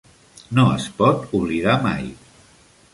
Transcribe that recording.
No es pot oblidar mai.